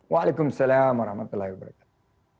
waalaikumsalam warahmatullahi wabarakatuh